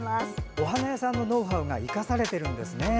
お花屋さんのノウハウが生かされてるんですね。